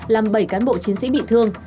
làm bảy cán bộ chiến sĩ bị thương